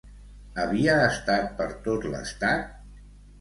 Havia estat per tot l'estat?